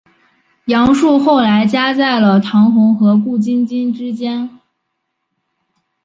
杨树后来夹在了唐红和顾菁菁之间。